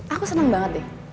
aku senang banget deh